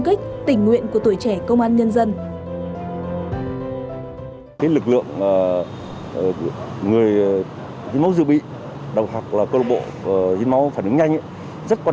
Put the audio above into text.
kích tình nguyện của tuổi trẻ công an nhân dân cái lực lượng người nó dự bị đồng hợp là cơ bộ rất quan